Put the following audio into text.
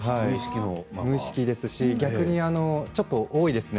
無意識です、し逆にちょっと多いですね